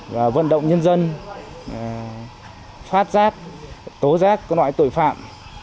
và vận động nhân dân phát giác tố giác các loại tội phạm